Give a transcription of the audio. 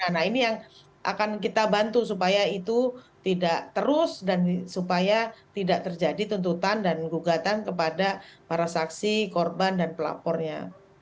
nah ini yang akan kita bantu supaya itu tidak terus dan supaya tidak terjadi tuntutan dan gugatan kepada para saksi korban dan pelapornya